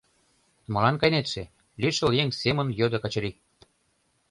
— Молан кайнетше? — лишыл еҥ семын йодо Качырий.